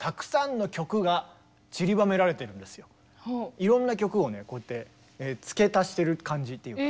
いろんな曲をねこうやって付け足してる感じっていうか。